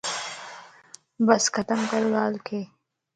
بس ختم ڪر ڳالھک